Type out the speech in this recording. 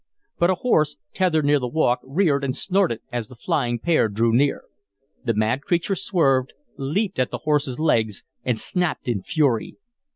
But a horse, tethered near the walk, reared and snorted as the flying pair drew near. The mad creature swerved, leaped at the horse's legs, and snapped in fury.